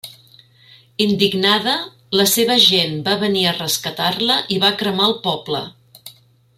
Indignada, la seva gent va venir a rescatar-la i va cremar el poble.